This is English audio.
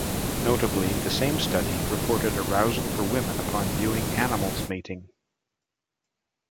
Notably, the same study reported arousal for women upon viewing animals mating.